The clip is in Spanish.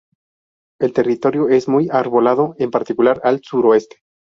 El territorio es muy arbolado, en particular al suroeste.